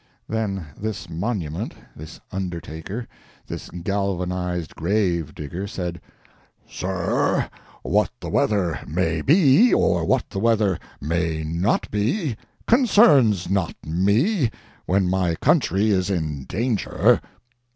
Then this monument, this undertaker, this galvanized graveyard said: "Sir, what the weather may be, or what the weather may not be, concerns not me, when my country is in danger."